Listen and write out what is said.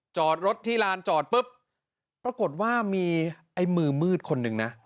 จอดรถที่ลานจอดปุ๊บปรากฏว่ามีไอ้มือมืดคนหนึ่งนะ